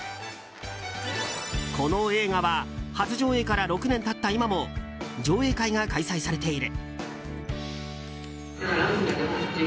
この映画は初上映から６年経った今も上映会が開催されている。